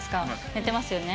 寝てますよね。